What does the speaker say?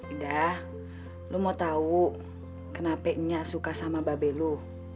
ida lo mau tau kenapa nyiak suka sama babi lo